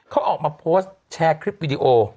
เขาออกมาโพสต์แชร์คลิปวิดีโอ